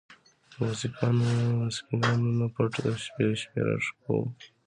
د مسکينانو نه پټ د شپې شپې را شکوو!!.